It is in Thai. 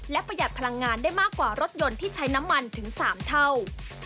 และประหยัดพลังงานได้มากกว่ารถยนต์ที่ใช้น้ำมันถึง๓เท่า